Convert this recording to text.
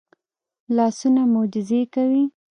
لاسونه معجزې کوي